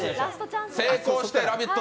成功して「ラヴィット！」